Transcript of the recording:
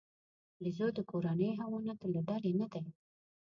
بیزو د کورنیو حیواناتو له ډلې نه دی.